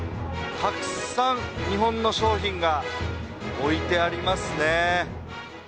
たくさん、日本の商品が置いてありますね。